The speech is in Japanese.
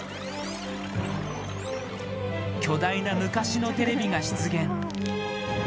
巨大な昔のテレビが出現。